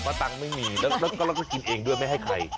เพราะตังค์ไม่มีแล้วก็กินเองด้วยไม่ให้ใคร